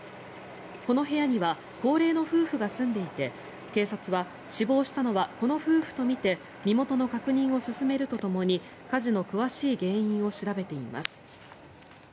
この部屋には高齢の夫婦が住んでいて警察は死亡したのはこの夫婦とみて身元の確認を進めるとともに火事の詳しい原因を調べています。